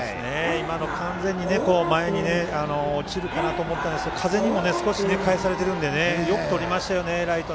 今の、完全に前に落ちるかなと思ったんですけど風にも少し返されてるのでよくとりましたよね、ライト。